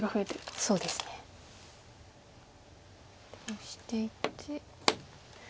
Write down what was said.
オシていって。